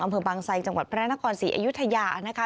อำเภอบางไซจังหวัดพระนครศรีอยุธยานะคะ